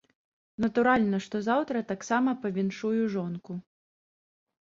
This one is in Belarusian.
Натуральна, што заўтра таксама павіншую жонку.